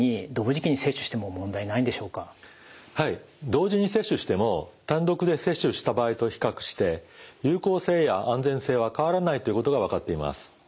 同時に接種しても単独で接種した場合と比較して有効性や安全性は変わらないということが分かっています。